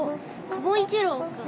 カモいちろうくん。